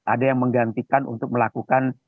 ada yang menggantikan untuk melakukan